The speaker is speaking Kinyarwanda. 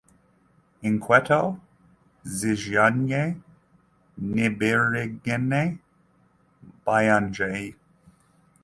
Inkweto zijyanye n'ibirenge byanjye.